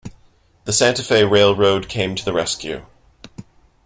The Santa Fe Railroad came to the rescue.